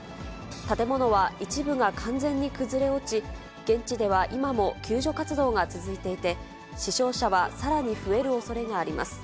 建物は一部が完全に崩れ落ち、現地では今も救助活動が続いていて、死傷者はさらに増えるおそれがあります。